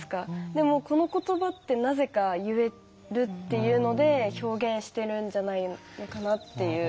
でもこの言葉ってなぜか言えるっていうので表現しているんじゃないのかなって。